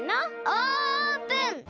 オープン！